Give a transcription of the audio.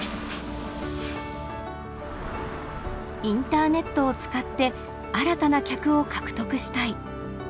インターネットを使って新たな客を獲得したい。